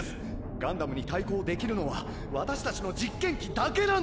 ガンダムに対抗できるのは私たちの実験機だけなんです！